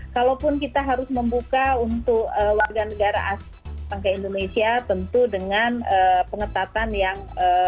kalaupun kita harus membuka untuk warga negara asing ke indonesia tentu dengan pengetatan yang